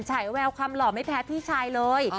ฉายแววความหล่อไม่แพ้พี่ชายเลย